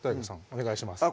お願いします